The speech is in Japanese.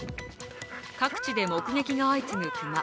各地で目撃が相次ぐ熊。